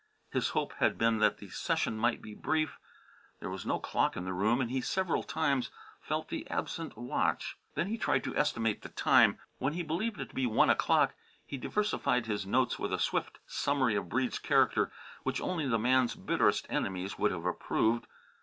His hope had been that the session might be brief. There was no clock in the room and he several times felt for the absent watch. Then he tried to estimate the time. When he believed it to be one o'clock he diversified his notes with a swift summary of Breede's character which only the man's bitterest enemies would have approved.